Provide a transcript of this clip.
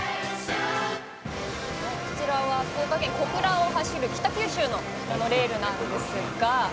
「こちらは福岡県小倉を走る北九州のモノレールなんですが」